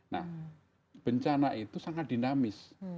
nah bencana itu sangat dinamis